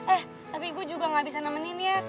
eh tapi gue juga gak bisa nemenin ya